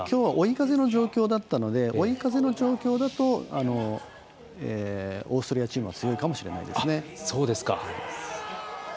追い風の状況だったので追い風の状況だとオーストリアチームは強いかもしれないですね。